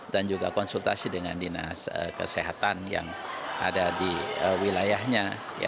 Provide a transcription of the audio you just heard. dan juga konsultasi dengan dinas kesehatan yang ada di wilayahnya